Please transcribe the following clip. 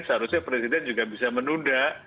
seharusnya presiden juga bisa menunda